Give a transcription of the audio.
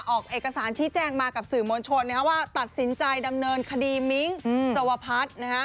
ออกเอกสารชี้แจงมากับสื่อมวลชนว่าตัดสินใจดำเนินคดีมิ้งสวพัฒน์